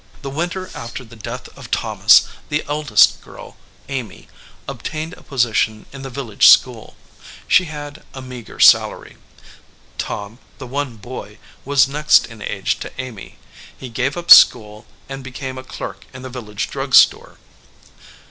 The winter after the death of Thomas, the eldest girl, Amy, obtained a position in the village school. She had a meager salary. Tom, the one boy, was next in age to Amy. He gave up school and became a clerk in the village drug store.